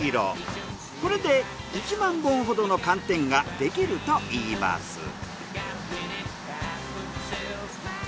これで１万本ほどの寒天ができるといいます。